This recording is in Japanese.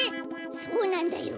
そうなんだよ。